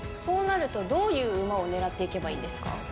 そうなるとどういう馬を狙っていけばいいんですか？